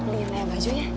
minta nanya bajunya